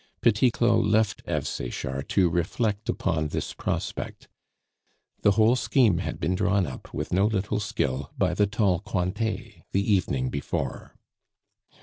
Petit Claud left Eve Sechard to reflect upon this prospect. The whole scheme had been drawn up with no little skill by the tall Cointet the evening before.